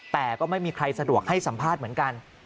แต่ก็ไม่มีใครสะดวกให้สัมภาษณ์เหมือนกัน